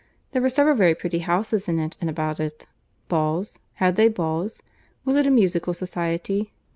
—There were several very pretty houses in and about it.—Balls—had they balls?—Was it a musical society?"